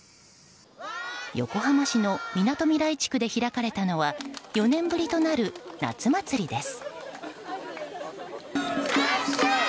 横浜市のみなとみらい地区で開かれたのは４年ぶりとなる夏祭りです。